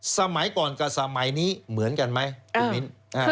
สมัยก่อนกับสมัยนี้เหมือนกันไหมคุณมิ้น